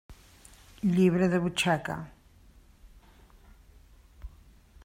Llibre de butxaca.